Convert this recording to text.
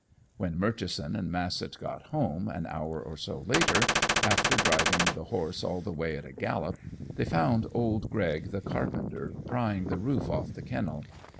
When Murchison and Massett got home, an hour or so later, after driving the horse all the way at a gallop, they found old Gregg, the carpenter, prying the roof off the kennel.